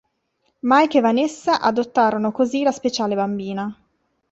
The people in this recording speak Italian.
Mike e Vanessa adottarono così la speciale bambina.